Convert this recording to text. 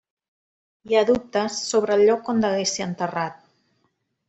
Hi ha dubtes sobre el lloc on degué ser enterrat.